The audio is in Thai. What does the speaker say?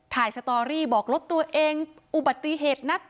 สตอรี่บอกรถตัวเองอุบัติเหตุนัด